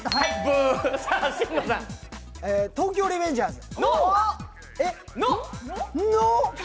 「東京リベンジャーズ」？